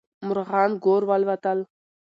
مارغان ګور والوتل.